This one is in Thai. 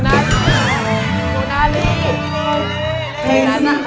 เพลงของคุณสุนารู